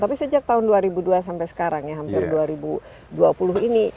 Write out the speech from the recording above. tapi sejak tahun dua ribu dua sampai sekarang ya hampir dua ribu dua puluh ini